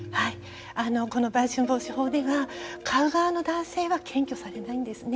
この売春防止法では買う側の男性は検挙されないんですね。